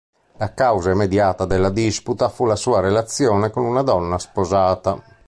La causa immediata della disputa fu la sua relazione con una donna sposata".